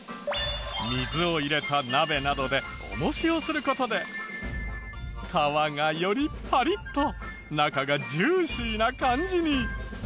水を入れた鍋などで重しをする事で皮がよりパリッと中がジューシーな感じに。